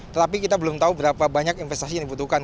tetapi kita belum tahu berapa banyak investasi yang dibutuhkan